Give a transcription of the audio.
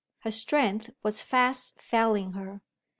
Her strength was fast failing her.